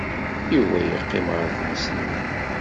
Yuba yeqqim ɣer tmes-nni.